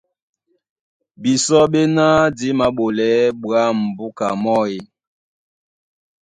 Bisɔ́ ɓéná dí māɓolɛɛ́ ɓwǎm̀ búka mɔ́ e?